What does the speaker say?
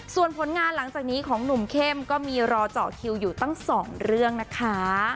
ส่วนผลงานหลังจากนี้ของหนุ่มเข้มก็มีรอเจาะคิวอยู่ตั้ง๒เรื่องนะคะ